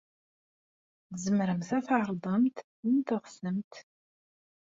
Tzemremt ad d-tɛerḍemt win teɣsemt.